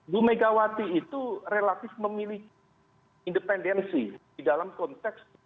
bumega itu relatif memiliki independensi di dalam konteks